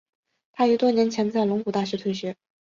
他于多年前在龙谷大学退学。